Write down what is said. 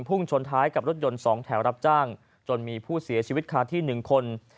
ชนท้ายกับรถยนต์๒แถวรับจ้างจนมีผู้เสียชีวิตคาที่๑คน